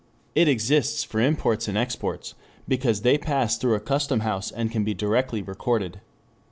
It exists for imports and exports because they pass through a custom house and can be directly recorded.